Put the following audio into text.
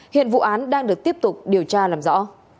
hiện vụ án đang được tiếp tục điều tra làm rõ